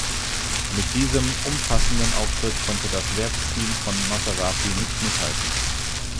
Mit diesem umfassenden Auftritt konnte das Werksteam von Maserati nicht mithalten.